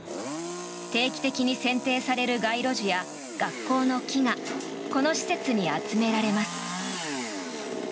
定期的にせん定される街路樹や学校の木がこの施設に集められます。